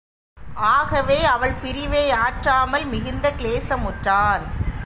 ஆகவே, அவள் பிரிவை ஆற்றமல் மிகுந்த கிலேசமுற்றான்.